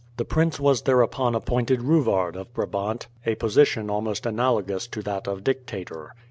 The prince was thereupon appointed Ruward of Brabant, a position almost analogous to that of dictator.